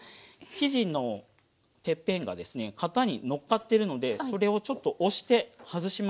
生地のてっぺんがですね型にのっかってるのでそれをちょっと押して外します。